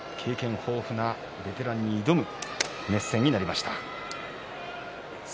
若い力が経験豊富なベテランに挑む対戦になりました。